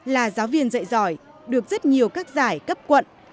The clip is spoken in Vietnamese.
là giáo viên dạy giỏi được rất nhiều các giải cấp quận